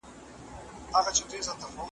بیا په سراب کي جنتونه ښيي .